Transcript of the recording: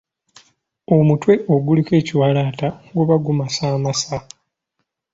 Omutwe oguliko ekiwalaata guba gumasaamasa.